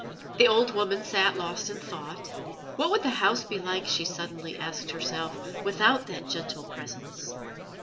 The old woman sat lost in thought. What would the house be like, she suddenly asked herself, without that gentle presence?